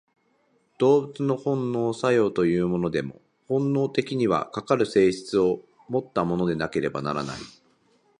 動物の本能作用というものでも、本質的には、かかる性質をもったものでなければならない。